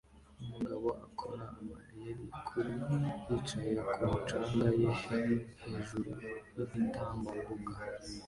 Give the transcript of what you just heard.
Umugabo akora amayeri kuri yicaye kumu canga ye hejuru yigitambambuga